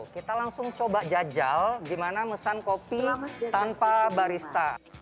kita langsung coba jajal gimana mesan kopi tanpa barista